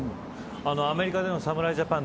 アメリカでの侍ジャパン